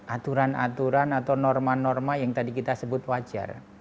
aturan aturan atau norma norma yang tadi kita sebut wajar